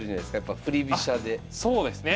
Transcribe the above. そうですね！